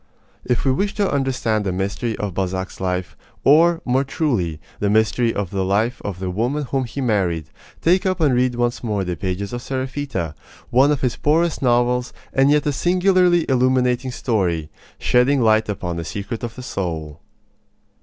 If we wish to understand the mystery of Balzac's life or, more truly, the mystery of the life of the woman whom he married take up and read once more the pages of Seraphita, one of his poorest novels and yet a singularly illuminating story, shedding light upon a secret of the soul.